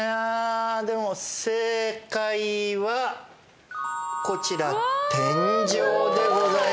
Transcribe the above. でも正解はこちら天井でございます。